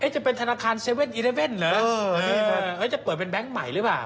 จะเป็นธรรมษัตริย์๗๑๑หรือว่าจะเปิดก็เป็นแบงค์ใหม่หรือเปล่า